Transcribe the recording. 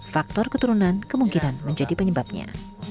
faktor keturunan kemungkinan menjadi penyebabnya